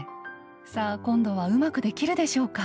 さあ今度はうまくできるでしょうか？